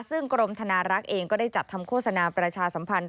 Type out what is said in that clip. ซึ่งกรมธนารักษ์เองก็ได้จัดทำโฆษณาประชาสัมพันธ์